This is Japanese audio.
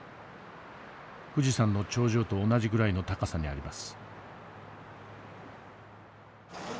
富士山の頂上と同じぐらいの高さにあります。